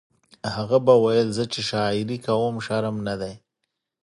هغه به ویل زه چې شاعري کوم شرم نه دی